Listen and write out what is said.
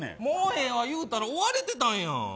もうええわ言うたら終われてたんや。